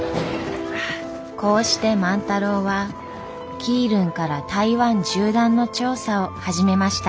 こうして万太郎は基隆から台湾縦断の調査を始めました。